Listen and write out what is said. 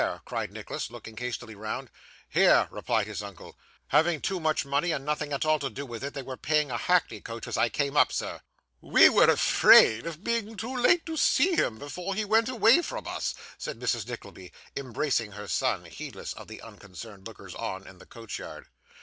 cried Nicholas, looking hastily round. 'Here!' replied his uncle. 'Having too much money and nothing at all to do with it, they were paying a hackney coach as I came up, sir.' 'We were afraid of being too late to see him before he went away from us,' said Mrs. Nickleby, embracing her son, heedless of the unconcerned lookers on in the coach yard.